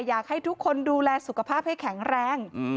อยากให้ทุกคนดูแลสุขภาพให้แข็งแรง